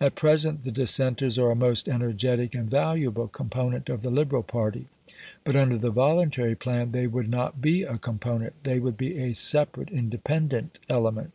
At present the Dissenters are a most energetic and valuable component of the Liberal party; but under the voluntary plan they would not be a component they would be a separate, independent element.